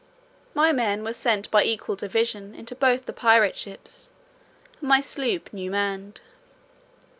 My men were sent by an equal division into both the pirate ships, and my sloop new manned.